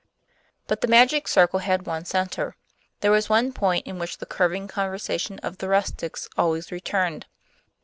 But the magic circle had one center: there was one point in which the curving conversation of the rustics always returned.